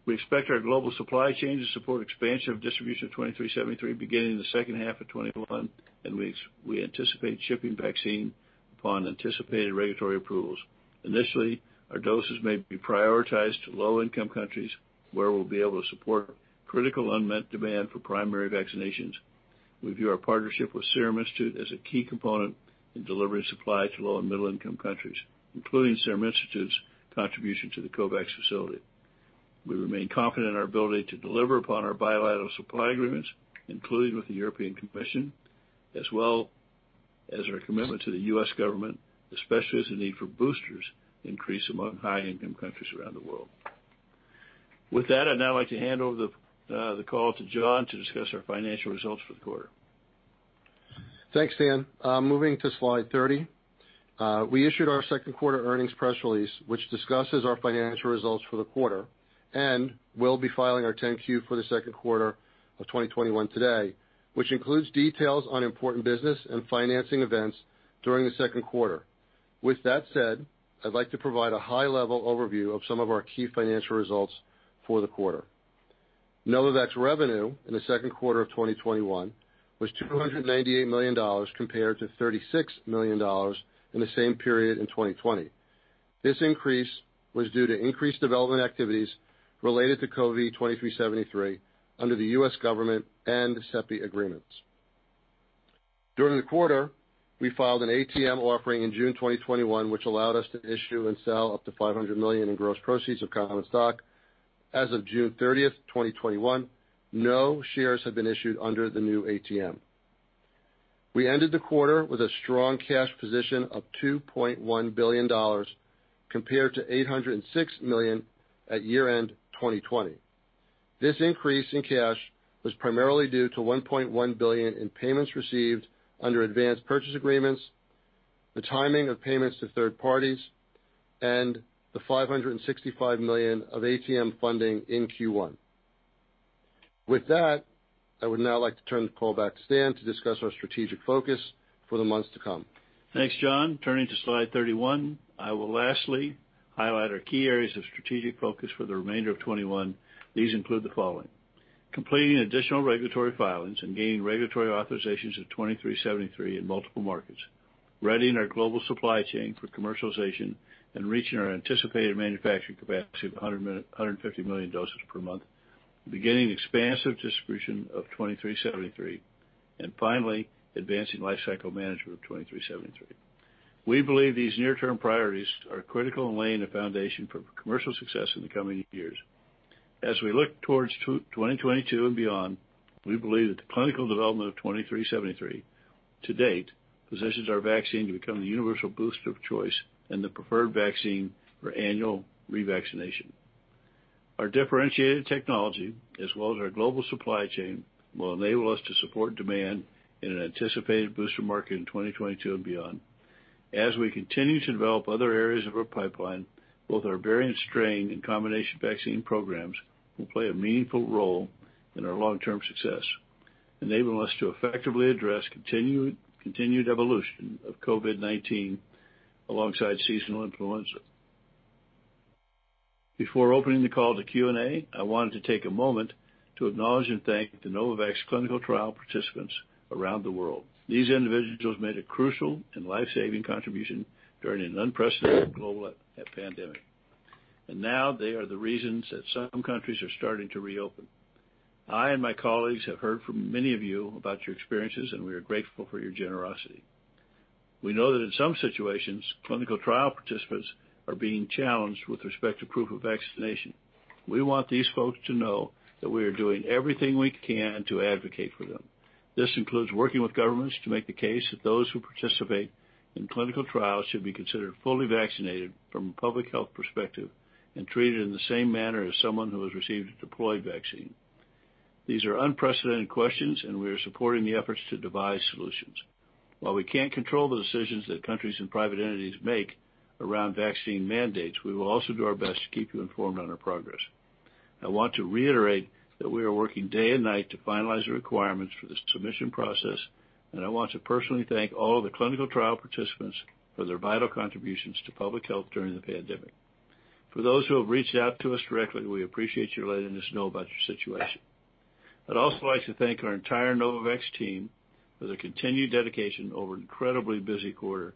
S3: We expect our global supply chain to support expansive distribution of 2373 beginning in the second half of 2021, and we anticipate shipping vaccine upon anticipated regulatory approvals. Initially, our doses may be prioritized to low-income countries, where we'll be able to support critical unmet demand for primary vaccinations. We view our partnership with Serum Institute as a key component in delivering supply to low and middle-income countries, including Serum Institute's contribution to the COVAX facility. We remain confident in our ability to deliver upon our bilateral supply agreements, including with the European Commission, as well as our commitment to the U.S. government, especially as the need for boosters increase among high-income countries around the world. With that, I'd now like to hand over the call to John to discuss our financial results for the quarter.
S5: Thanks, Stan. Moving to slide 30. We issued our second quarter earnings press release, which discusses our financial results for the quarter and will be filing our 10-Q for the second quarter of 2021 today, which includes details on important business and financing events during the second quarter. With that said, I'd like to provide a high-level overview of some of our key financial results for the quarter. Novavax revenue in the second quarter of 2021 was $298 million compared to $36 million in the same period in 2020. This increase was due to increased development activities related to NVX-CoV2373 under the U.S. government and the CEPI agreements. During the quarter, we filed an ATM offering in June 2021, which allowed us to issue and sell up to $500 million in gross proceeds of common stock. As of June 30th, 2021, no shares have been issued under the new ATM. We ended the quarter with a strong cash position of $2.1 billion compared to $806 million at year-end 2020. This increase in cash was primarily due to $1.1 billion in payments received under advanced purchase agreements, the timing of payments to third parties, and the $565 million of ATM funding in Q1. With that, I would now like to turn the call back to Stan Erck to discuss our strategic focus for the months to come.
S3: Thanks, John. Turning to slide 31, I will lastly highlight our key areas of strategic focus for the remainder of 2021. These include the following: completing additional regulatory filings and gaining regulatory authorizations of 2373 in multiple markets, readying our global supply chain for commercialization and reaching our anticipated manufacturing capacity of 150 million doses per month, beginning expansive distribution of 2373, and finally, advancing lifecycle management of 2373. We believe these near-term priorities are critical in laying a foundation for commercial success in the coming years. As we look towards 2022 and beyond, we believe that the clinical development of 2373 to date positions our vaccine to become the universal booster of choice and the preferred vaccine for annual revaccination. Our differentiated technology, as well as our global supply chain, will enable us to support demand in an anticipated booster market in 2022 and beyond. As we continue to develop other areas of our pipeline, both our variant strain and combination vaccine programs will play a meaningful role in our long-term success, enabling us to effectively address continued evolution of COVID-19 alongside seasonal influenza. Before opening the call to Q&A, I wanted to take a moment to acknowledge and thank the Novavax clinical trial participants around the world. These individuals made a crucial and life-saving contribution during an unprecedented global pandemic, and now they are the reasons that some countries are starting to reopen. I and my colleagues have heard from many of you about your experiences, and we are grateful for your generosity. We know that in some situations, clinical trial participants are being challenged with respect to proof of vaccination. We want these folks to know that we are doing everything we can to advocate for them. This includes working with governments to make the case that those who participate in clinical trials should be considered fully vaccinated from a public health perspective and treated in the same manner as someone who has received a deployed vaccine. These are unprecedented questions, and we are supporting the efforts to devise solutions. While we can't control the decisions that countries and private entities make around vaccine mandates, we will also do our best to keep you informed on our progress. I want to reiterate that we are working day and night to finalize the requirements for the submission process, and I want to personally thank all the clinical trial participants for their vital contributions to public health during the pandemic. For those who have reached out to us directly, we appreciate you letting us know about your situation. I'd also like to thank our entire Novavax team for their continued dedication over an incredibly busy quarter.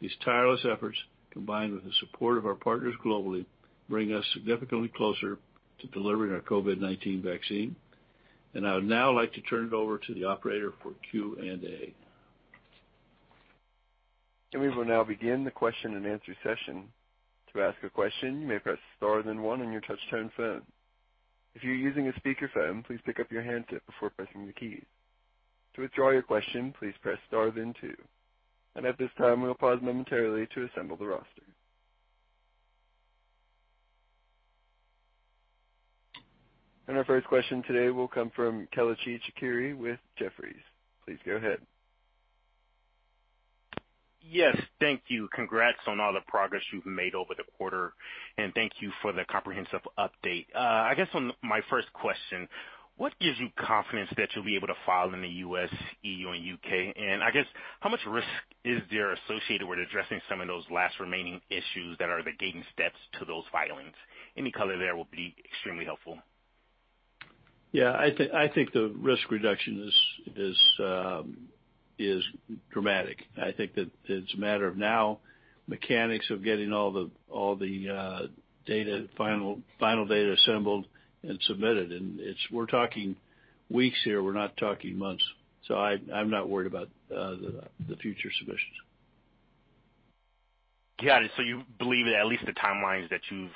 S3: These tireless efforts, combined with the support of our partners globally, bring us significantly closer to delivering our COVID-19 vaccine. I would now like to turn it over to the operator for Q&A.
S1: We will now begin the question and answer session. To ask a question, you may press star then one on your touch-tone phone. If you're using a speakerphone, please pick up your handset before pressing the key. To withdraw your question, please press star then two. At this time, we'll pause momentarily to assemble the roster. Our first question today will come from Kelechi Chikere with Jefferies. Please go ahead.
S6: Yes. Thank you. Congrats on all the progress you've made over the quarter, and thank you for the comprehensive update. I guess on my first question, what gives you confidence that you'll be able to file in the U.S., EU, and U.K.? I guess how much risk is there associated with addressing some of those last remaining issues that are the gating steps to those filings? Any color there will be extremely helpful.
S3: Yeah. I think the risk reduction is dramatic. I think that it's a matter of now mechanics of getting all the final data assembled and submitted, and we're talking weeks here. We're not talking months. I'm not worried about the future submissions.
S6: Got it. You believe that at least the timelines that you've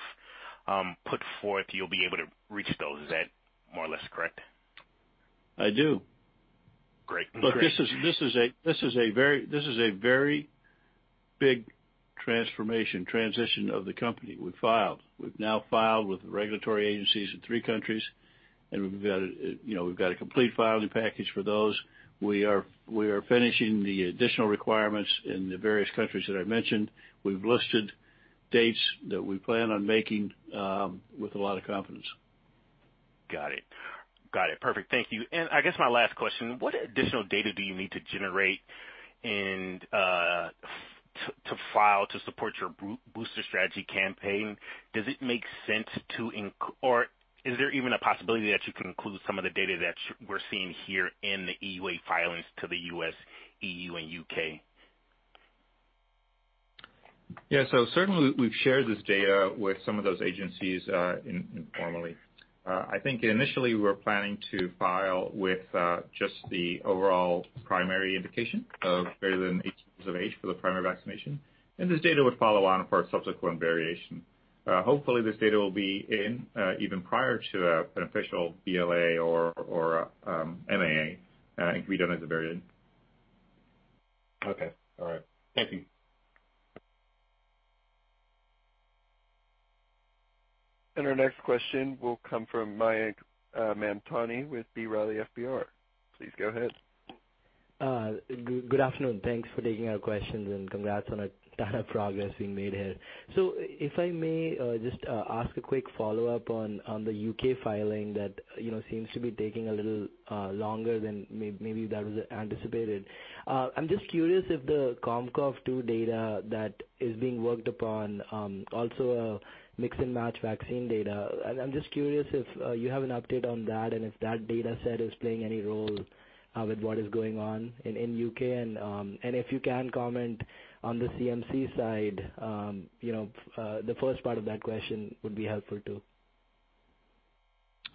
S6: put forth, you'll be able to reach those. Is that more or less correct?
S3: I do.
S6: Great.
S3: This is a very big transformation, transition of the company. We've filed. We've now filed with the regulatory agencies in three countries. We've got a complete filing package for those. We are finishing the additional requirements in the various countries that I've mentioned. We've listed dates that we plan on making with a lot of confidence.
S6: Got it. Perfect. Thank you. I guess my last question, what additional data do you need to generate to file to support your booster strategy campaign? Does it make sense to, or is there even a possibility that you can include some of the data that we're seeing here in the EUA filings to the U.S., EU, and U.K.?
S4: Yeah. Certainly we've shared this data with some of those agencies informally. I think initially we were planning to file with just the overall primary indication of greater than 18 years of age for the primary vaccination, and this data would follow on for a subsequent variation. Hopefully, this data will be in even prior to a beneficial BLA or MAA and can be done as a variant.
S6: Okay. All right. Thank you.
S1: Our next question will come from Mayank Mamtani with B. Riley Securities. Please go ahead.
S7: Good afternoon. Thanks for taking our questions and congrats on a ton of progress being made here. If I may just ask a quick follow-up on the U.K. filing that seems to be taking a little longer than maybe that was anticipated. I'm just curious if the Com-COV2 data that is being worked upon also mix-and-match vaccine data. I'm just curious if you have an update on that and if that data set is playing any role with what is going on in U.K. and if you can comment on the CMC side. The first part of that question would be helpful too.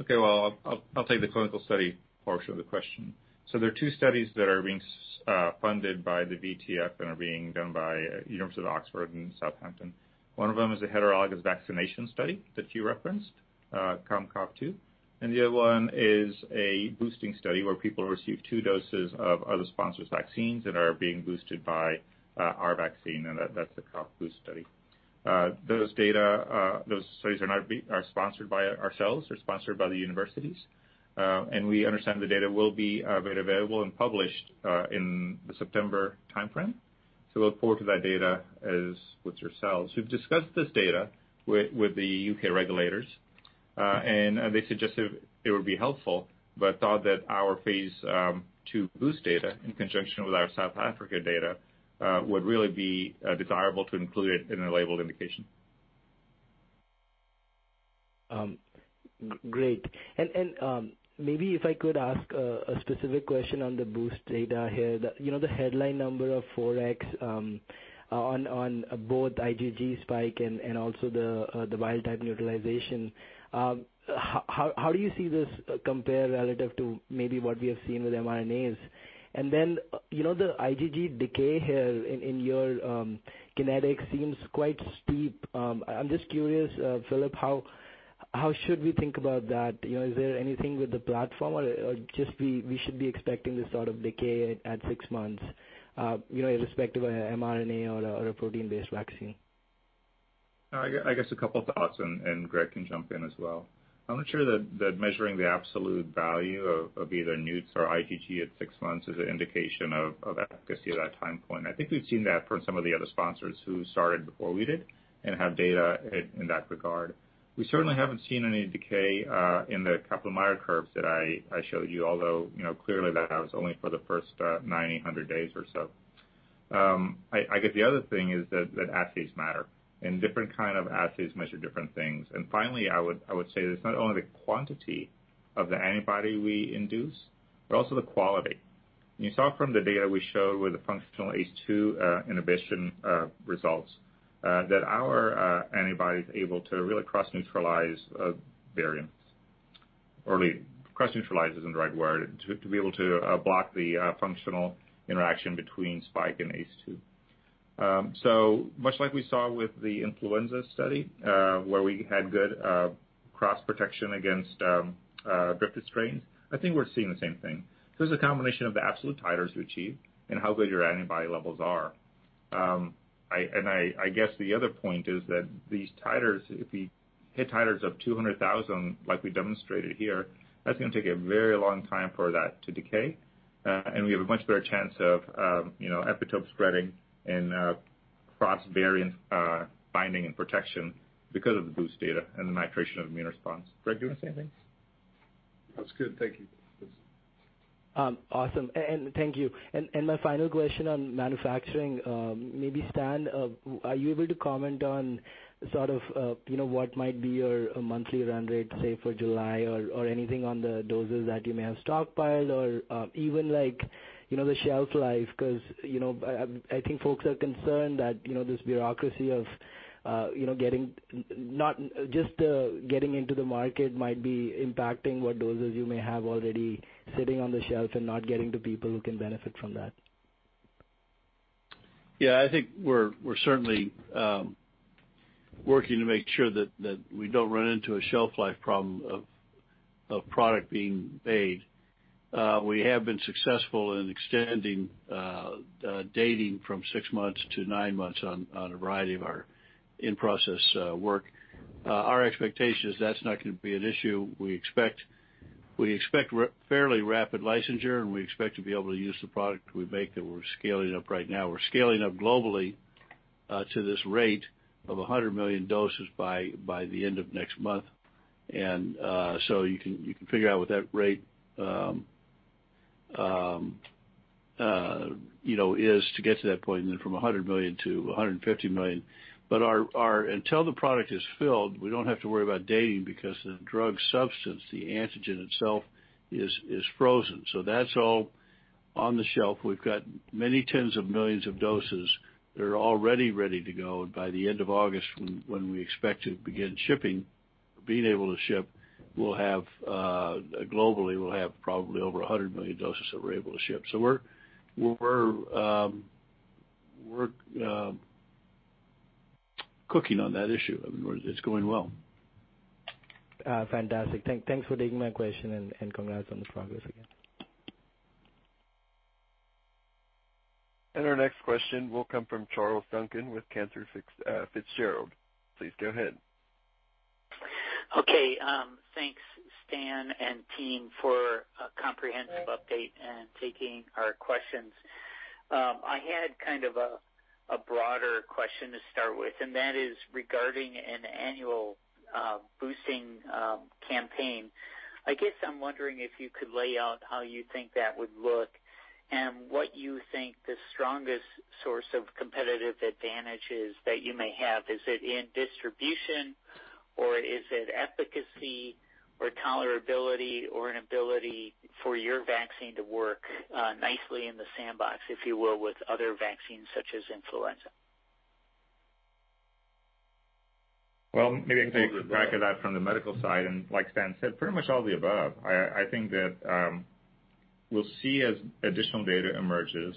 S4: Okay. Well, I'll take the clinical study portion of the question. There are two studies that are being funded by the VTF and are being done by University of Oxford and Southampton. One of them is a heterologous vaccination study that you referenced, Com-COV2, and the other one is a boosting study where people receive two doses of other sponsors' vaccines that are being boosted by our vaccine, and that's the COV-BOOST study. Those studies are sponsored by ourselves. They're sponsored by the universities. We understand the data will be made available and published in the September timeframe. Look forward to that data with yourselves. We've discussed this data with the U.K. regulators, and they suggested it would be helpful, but thought that our phase II boost data in conjunction with our South Africa data would really be desirable to include it in a labeled indication.
S7: Great. Maybe if I could ask a specific question on the boost data here. The headline number of 4x on both IgG spike and also the wild type neutralization. How do you see this compare relative to maybe what we have seen with mRNAs? The IgG decay here in your kinetics seems quite steep. I'm just curious, Filip, how should we think about that? Is there anything with the platform or just we should be expecting this sort of decay at six months irrespective of mRNA or a protein-based vaccine?
S4: I guess a couple thoughts, and Greg can jump in as well. I'm not sure that measuring the absolute value of either neuts or IgG at six months is an indication of efficacy at that time point. I think we've seen that from some of the other sponsors who started before we did and have data in that regard. We certainly haven't seen any decay in the Kaplan-Meier curves that I showed you, although, clearly that was only for the first 90, 100 days or so. I guess the other thing is that assays matter, and different kind of assays measure different things. Finally, I would say that it's not only the quantity of the antibody we induce, but also the quality. You saw from the data we showed with the functional ACE2 inhibition results that our antibody's able to really cross-neutralize variants. Or really, cross-neutralize isn't the right word. To be able to block the functional interaction between spike and ACE2. Much like we saw with the influenza study, where we had good cross-protection against drifted strains, I think we're seeing the same thing. It's a combination of the absolute titers we achieved and how good your antibody levels are. I guess the other point is that these titers, if we hit titers of 200,000 like we demonstrated here, that's going to take a very long time for that to decay. We have a much better chance of epitope spreading and cross-variant binding and protection because of the boost data and the maturation of immune response. Greg, do you want to say anything?
S8: That's good. Thank you.
S7: Awesome, thank you. My final question on manufacturing, maybe Stan, are you able to comment on sort of what might be your monthly run rate, say for July or anything on the doses that you may have stockpiled or even like the shelf life? I think folks are concerned that this bureaucracy of just getting into the market might be impacting what doses you may have already sitting on the shelf and not getting to people who can benefit from that.
S3: Yeah, I think we're certainly working to make sure that we don't run into a shelf life problem of product being made. We have been successful in extending dating from six months to nine months on a variety of our in-process work. Our expectation is that's not going to be an issue. We expect fairly rapid licensure, and we expect to be able to use the product we make that we're scaling up right now. We're scaling up globally to this rate of 100 million doses by the end of next month. You can figure out what that rate is to get to that point, and then from 100 million-150 million. Until the product is filled, we don't have to worry about dating because the drug substance, the antigen itself is frozen. That's all on the shelf. We've got many tens of millions of doses that are already ready to go by the end of August when we expect to begin shipping. Being able to ship, globally, we'll have probably over 100 million doses that we're able to ship. We're cooking on that issue. It's going well.
S7: Fantastic. Thanks for taking my question, and congrats on the progress again.
S1: Our next question will come from Charles Duncan with Cantor Fitzgerald. Please go ahead.
S9: Okay. Thanks, Stan and team for a comprehensive update and taking our questions. I had kind of a broader question to start with, and that is regarding an annual boosting campaign. I guess I'm wondering if you could lay out how you think that would look and what you think the strongest source of competitive advantage is that you may have. Is it in distribution, or is it efficacy or tolerability or an ability for your vaccine to work nicely in the sandbox, if you will, with other vaccines such as influenza?
S4: Well, maybe I can take a crack at that from the medical side, like Stan said, pretty much all the above. I think that we'll see as additional data emerges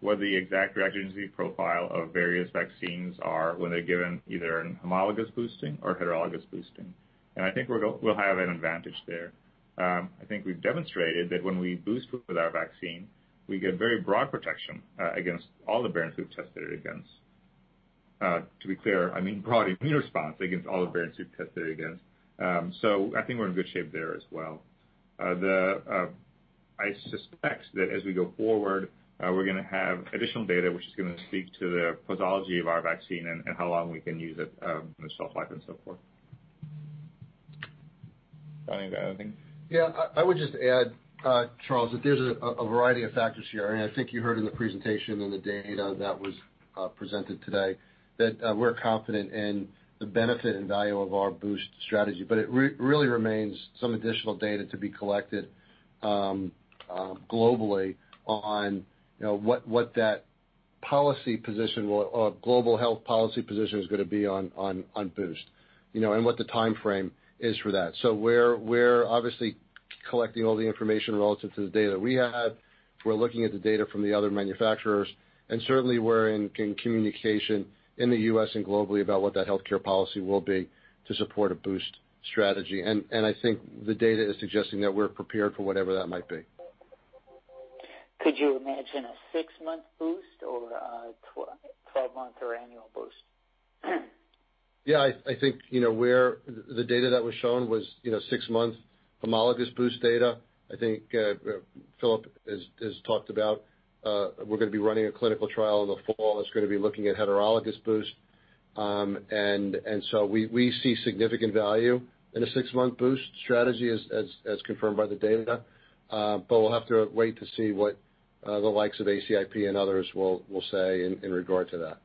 S4: what the exact reactogenicity profile of various vaccines are when they're given either in homologous boosting or heterologous boosting. I think we'll have an advantage there. I think we've demonstrated that when we boost with our vaccine, we get very broad protection against all the variants we've tested it against. To be clear, I mean broad immune response against all the variants we've tested it against. I think we're in good shape there as well. I suspect that as we go forward, we're going to have additional data which is going to speak to the pathology of our vaccine and how long we can use it, the shelf life and so forth. Stan, you have anything?
S3: Yeah, I would just add, Charles, that there's a variety of factors here, and I think you heard in the presentation and the data that was presented today that we're confident in the benefit and value of our boost strategy. It really remains some additional data to be collected globally on what that global health policy position is going to be on boost, and what the timeframe is for that. We're obviously collecting all the information relative to the data we have. We're looking at the data from the other manufacturers, and certainly we're in communication in the U.S. and globally about what that healthcare policy will be to support a boost strategy. I think the data is suggesting that we're prepared for whatever that might be.
S9: Could you imagine a six-month boost or a 12-month or annual boost?
S3: Yeah, I think the data that was shown was six months homologous boost data. I think Filip has talked about we're going to be running a clinical trial in the fall that's going to be looking at heterologous boost. We see significant value in a six-month boost strategy as confirmed by the data. We'll have to wait to see what the likes of ACIP and others will say in regard to that.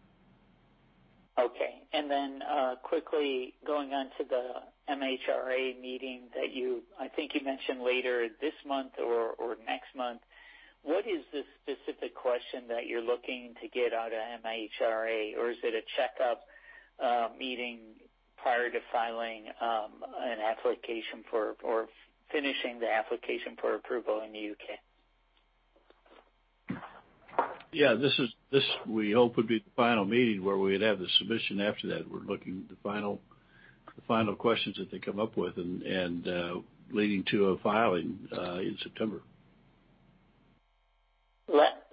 S9: Okay. Then quickly going on to the MHRA meeting that I think you mentioned later this month or next month. What is the specific question that you're looking to get out of MHRA? Or is it a checkup meeting prior to filing an application for, or finishing the application for approval in the U.K.?
S3: Yeah, this we hope would be the final meeting where we would have the submission after that. We're looking the final questions that they come up with and leading to a filing in September.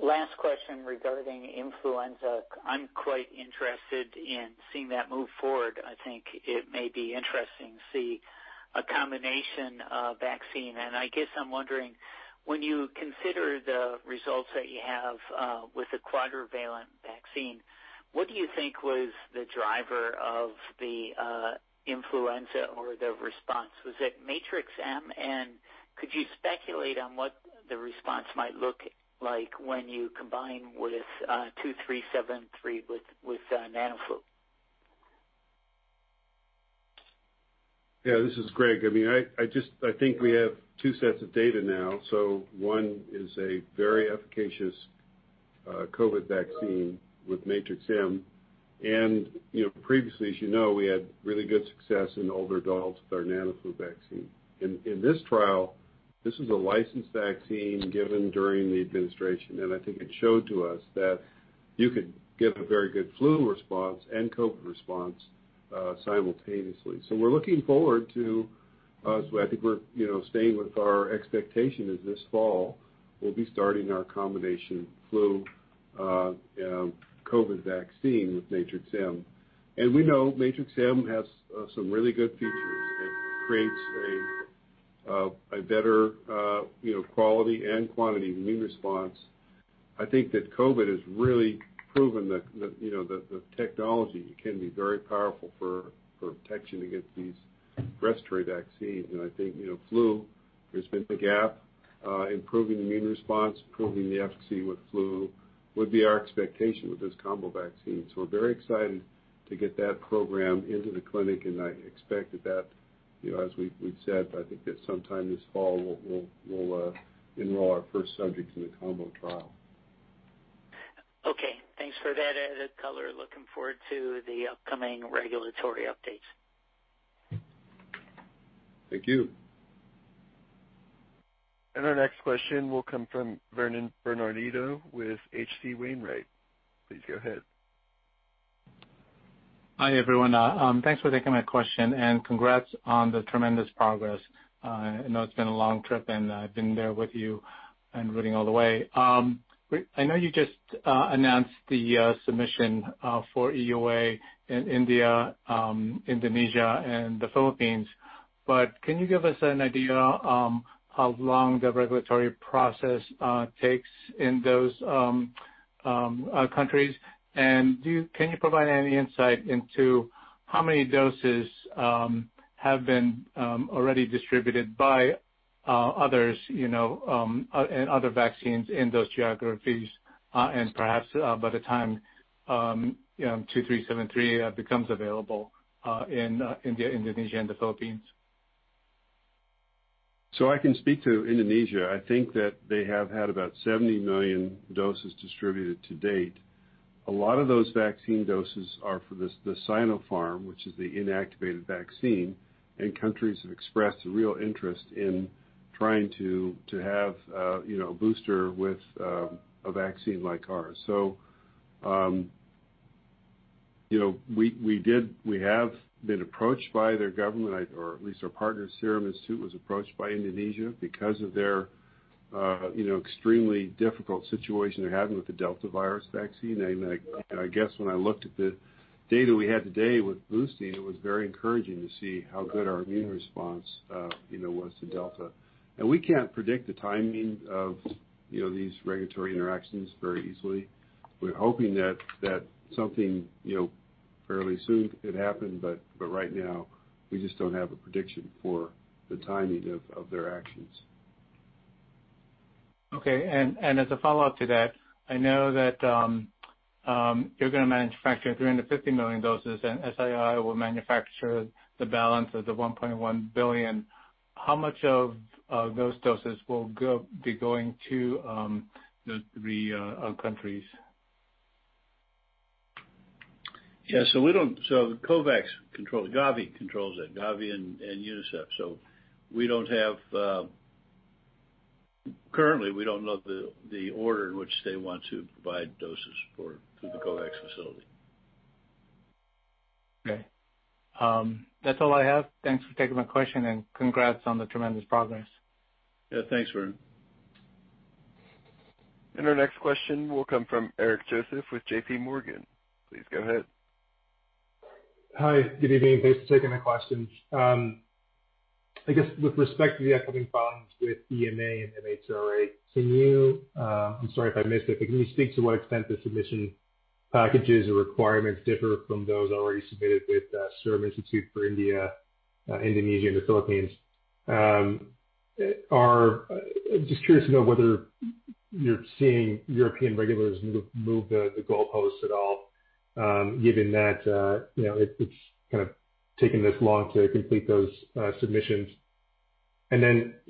S9: Last question regarding influenza. I'm quite interested in seeing that move forward. I think it may be interesting to see a combination of vaccine. I guess I'm wondering, when you consider the results that you have with the quadrivalent vaccine, what do you think was the driver of the influenza or the response? Was it Matrix-M? Could you speculate on what the response might look like when you combine with 2373 with NanoFlu?
S8: Yeah, this is Greg. I think we have two sets of data now. One is a very efficacious COVID vaccine with Matrix-M, and previously, as you know, we had really good success in older adults with our NanoFlu vaccine. In this trial, this is a licensed vaccine given during the administration, and I think it showed to us that you could get a very good flu response and COVID response simultaneously. We're looking forward to, I think we're staying with our expectation is this fall, we'll be starting our combination flu COVID vaccine with Matrix-M. We know Matrix-M has some really good features that creates a better quality and quantity immune response. I think that COVID has really proven that the technology can be very powerful for protection against these respiratory vaccines. I think, flu, there's been a gap improving immune response, improving the efficacy with flu would be our expectation with this combo vaccine. We're very excited to get that program into the clinic, and I expect that, as we've said, sometime this fall, we'll enroll our first subjects in the combo trial.
S9: Okay. Thanks for that added color. Looking forward to the upcoming regulatory updates.
S8: Thank you.
S1: Our next question will come from Vernon Bernardino with H.C. Wainwright. Please go ahead.
S10: Hi, everyone. Thanks for taking my question and congrats on the tremendous progress. I know it's been a long trip, and I've been there with you and rooting all the way. I know you just announced the submission for EUA in India, Indonesia, and the Philippines, can you give us an idea how long the regulatory process takes in those countries? Can you provide any insight into how many doses have been already distributed by others, in other vaccines in those geographies and perhaps by the time 2373 becomes available in India, Indonesia, and the Philippines?
S8: I can speak to Indonesia. I think that they have had about 70 million doses distributed to date. A lot of those vaccine doses are for the Sinopharm, which is the inactivated vaccine. Countries have expressed a real interest in trying to have a booster with a vaccine like ours. We have been approached by their government, or at least our partner Serum Institute was approached by Indonesia because of their extremely difficult situation they're having with the Delta virus vaccine. I guess when I looked at the data we had today with boosting, it was very encouraging to see how good our immune response was to Delta. We can't predict the timing of these regulatory interactions very easily. We're hoping that something fairly soon could happen, but right now, we just don't have a prediction for the timing of their actions.
S10: Okay. As a follow-up to that, I know that you're going to manufacture 350 million doses, and SII will manufacture the balance of the 1.1 billion. How much of those doses will be going to the three countries?
S8: Yeah, COVAX controls it, Gavi controls it. Gavi and UNICEF. Currently, we don't know the order in which they want to provide doses for the COVAX facility.
S10: Okay. That's all I have. Thanks for taking my question, and congrats on the tremendous progress.
S3: Yeah, thanks, Vernon.
S1: Our next question will come from Eric Joseph with J.P. Morgan. Please go ahead.
S11: Hi. Good evening. Thanks for taking my questions. I guess with respect to the upcoming filings with EMA and MHRA, can you, I'm sorry if I missed it, but can you speak to what extent the submission packages or requirements differ from those already submitted with Serum Institute for India, Indonesia, and the Philippines? Just curious to know whether you're seeing European regulators move the goalposts at all given that it's kind of taken this long to complete those submissions.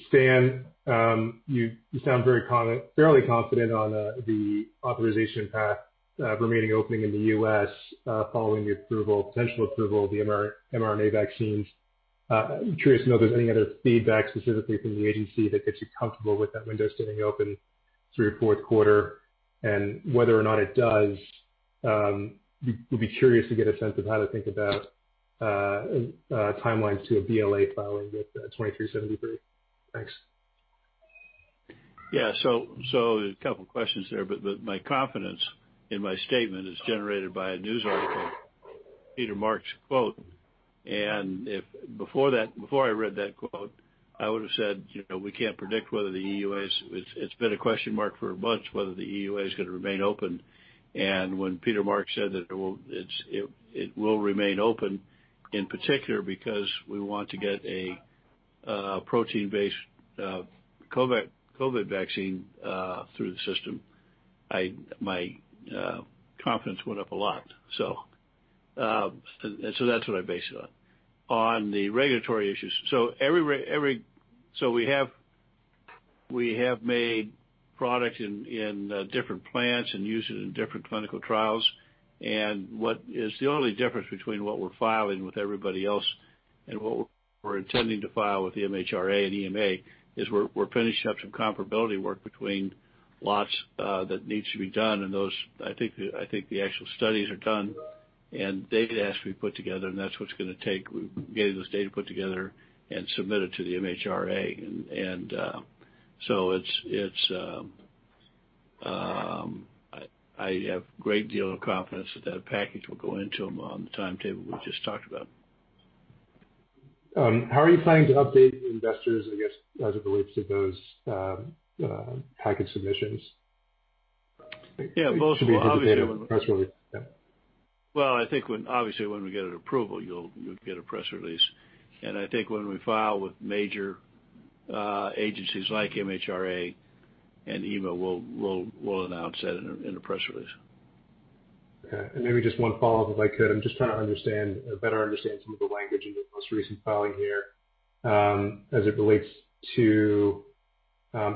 S11: Stan, you sound fairly confident on the authorization path remaining opening in the U.S. following the potential approval of the mRNA vaccines. I'm curious to know if there's any other feedback specifically from the agency that gets you comfortable with that window staying open through fourth quarter. Whether or not it does, would be curious to get a sense of how to think about timelines to a BLA filing with 2373. Thanks.
S3: Yeah. A couple questions there, but my confidence in my statement is generated by a news article, Peter Marks quote. Before I read that quote, I would've said we can't predict. It's been a question mark for months whether the EUA is going to remain open. When Peter Marks said that it will remain open, in particular because we want to get a protein-based COVID vaccine through the system, my confidence went up a lot. That's what I base it on. On the regulatory issues, we have made product in different plants and used it in different clinical trials, and what is the only difference between what we're filing with everybody else and what we're intending to file with the MHRA and EMA is we're finishing up some comparability work between lots that needs to be done, and I think the actual studies are done, and data has to be put together, and that's what's going to take getting this data put together and submitted to the MHRA. I have great deal of confidence that that package will go into them on the timetable we just talked about.
S11: How are you planning to update investors, I guess, as it relates to those package submissions?
S3: Yeah, well, obviously.
S11: Should we be looking for data in a press release? Yeah.
S3: Well, I think, obviously, when we get an approval, you'll get a press release, and I think when we file with major agencies like MHRA and EMA, we'll announce that in a press release.
S11: Okay, maybe just one follow-up, if I could. I'm just trying to better understand some of the language in the most recent filing here as it relates to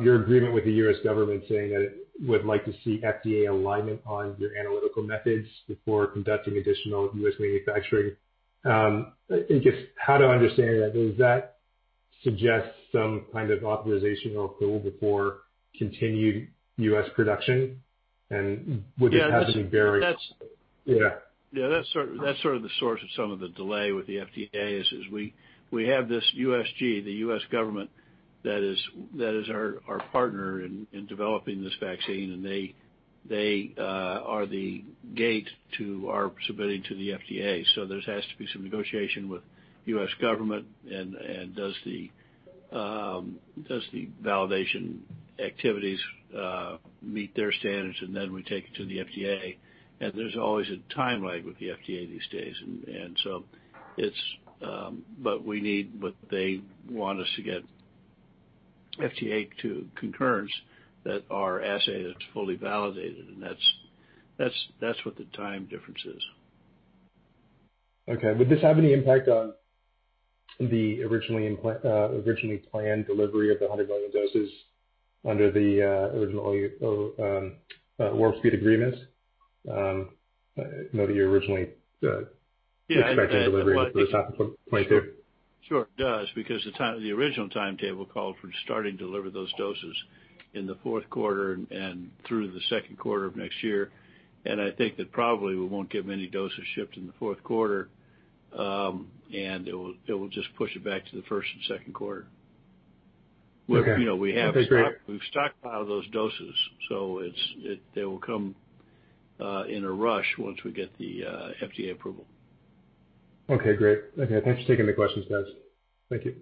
S11: your agreement with the U.S. government saying that it would like to see FDA alignment on your analytical methods before conducting additional U.S. manufacturing. I guess, how to understand that? Does that suggest some kind of authorization or approval before continued U.S. production? Would this have any bearing?
S3: Yeah, that's-
S11: Yeah.
S3: Yeah, that's sort of the source of some of the delay with the FDA is we have this USG, the U.S. Government, that is our partner in developing this vaccine, and they are the gate to our submitting to the FDA. There has to be some negotiation with U.S. Government, and does the validation activities meet their standards, and then we take it to the FDA, and there's always a time lag with the FDA these days. They want us to get FDA to concurrence that our assay is fully validated, and that's what the time difference is.
S11: Okay. Would this have any impact on the originally planned delivery of the 100 million doses under the original Warp Speed agreements?
S3: Yeah, I think.
S11: Expected delivery for the second quarter.
S3: Sure. It does, because the original timetable called for starting to deliver those doses in the fourth quarter and through the second quarter of next year. I think that probably we won't get many doses shipped in the fourth quarter. It will just push it back to the first and second quarter.
S11: Okay. I think.
S3: We've stockpiled those doses, so they will come in a rush once we get the FDA approval.
S11: Okay, great. Okay. Thanks for taking the questions, guys. Thank you.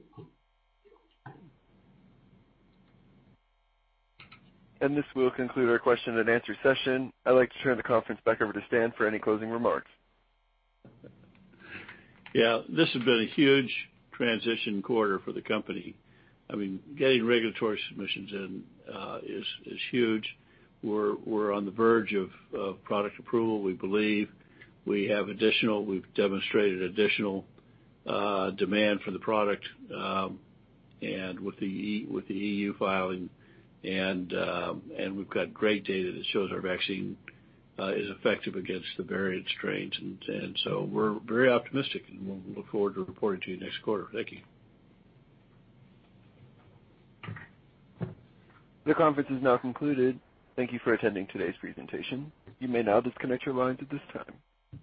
S1: This will conclude our question and answer session. I'd like to turn the conference back over to Stan for any closing remarks.
S3: Yeah. This has been a huge transition quarter for the company. Getting regulatory submissions in is huge. We're on the verge of product approval, we believe. We've demonstrated additional demand for the product with the EU filing, and we've got great data that shows our vaccine is effective against the variant strains. We're very optimistic, and we look forward to reporting to you next quarter. Thank you.
S1: The conference is now concluded. Thank you for attending today's presentation. You may now disconnect your lines at this time.